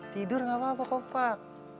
tidur gak apa apa kompak